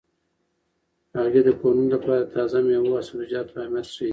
هغې د کورنۍ لپاره د تازه میوو او سبزیجاتو اهمیت ښيي.